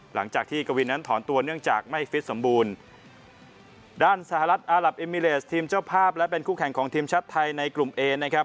หลังจากที่กวินนั้นถอนตัวเนื่องจากไม่ฟิตสมบูรณ์ด้านสหรัฐอารับเอมิเลสทีมเจ้าภาพและเป็นคู่แข่งของทีมชาติไทยในกลุ่มเอนะครับ